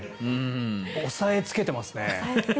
押さえつけてますね。